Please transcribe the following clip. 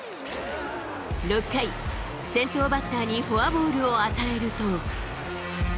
６回、先頭バッターにフォアボールを与えると。